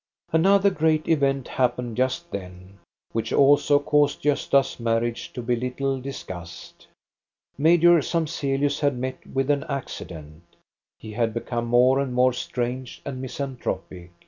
Another great event happened just then, which also caused Gosta's marriage to be little discussed. THE ^CHILD'S MOTHER 395 Major Samzelius had met with an accident. He had become more and more strange and misanthropic.